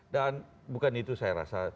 dan bukan itu saya rasa